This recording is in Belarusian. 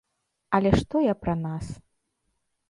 Але што я пра нас?